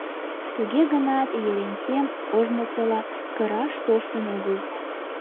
Туге гынат Ерентем ожнысыла кыраш тоштын огыл.